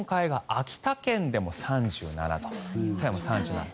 秋田県でも３７度富山、３７度。